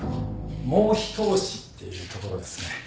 もう一押しっていうところですね。